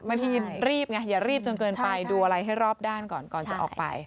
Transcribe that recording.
บางทีรีบไงอย่ารีบจนเกินไปดูอะไรให้รอบด้านก่อนก่อนจะออกไป